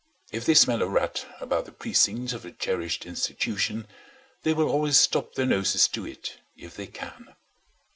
If they smell a rat about the precincts of a cherished institution, they will always stop their noses to it if they can.